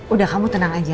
udah kamu tenang aja